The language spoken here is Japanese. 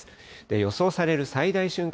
予想される最大瞬間